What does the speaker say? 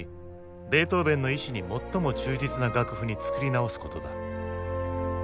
ベートーヴェンの意志に最も忠実な楽譜に作り直すことだ。